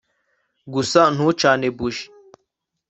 gusa ntucane buji